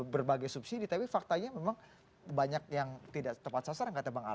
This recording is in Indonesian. berbagai subsidi tapi faktanya memang banyak yang tidak tepat sasaran kata bang ali